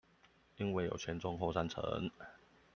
因為有前、中、後三層